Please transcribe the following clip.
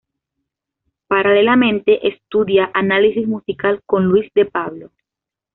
Paralelamente estudia Análisis Musical con Luis de Pablo.